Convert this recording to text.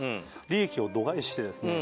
利益を度外視してですね